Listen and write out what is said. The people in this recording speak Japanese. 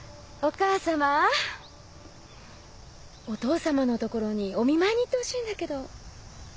お父様のところにお見舞いに行ってほしいんだけど。